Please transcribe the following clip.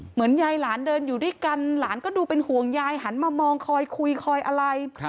เหมือนยายหลานเดินอยู่ด้วยกันหลานก็ดูเป็นห่วงยายหันมามองคอยคุยคอยอะไร